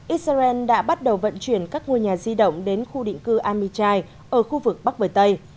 israel đã bắt đầu vận chuyển các ngôi nhà di động đến khu định cư amichai ở khu vực bắc bờ tây